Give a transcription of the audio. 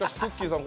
さん